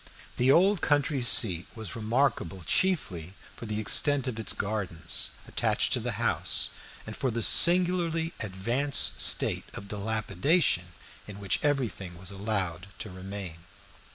The old country seat was remarkable chiefly for the extent of the gardens attached to the house, and for the singularly advanced state of dilapidation in which everything was allowed to remain.